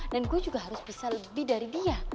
dan gue juga harus bisa lebih dari dia